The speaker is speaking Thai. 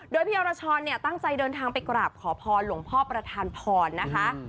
โดยพี่อรชรเนี่ยตั้งใจเดินทางไปกราบขอพรหลวงพ่อประธานพรนะคะ